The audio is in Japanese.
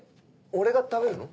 俺が食べるの？